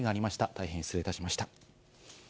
大変失礼いたしました。